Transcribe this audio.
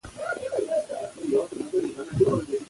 افغانستان کې د مزارشریف لپاره ډیر دپرمختیا مهم پروګرامونه شته دي.